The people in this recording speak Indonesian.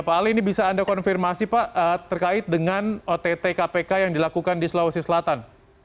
pak ali ini bisa anda konfirmasi pak terkait dengan ott kpk yang dilakukan di sulawesi selatan